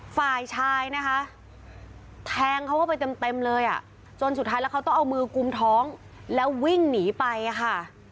ฝ่ายชายนะคะแทงเขาเข้าไปเต็มเลยอ่ะจนสุดท้ายแล้วเขาต้องเอามือกุมท้องแล้ววิ่งหนีไปค่ะ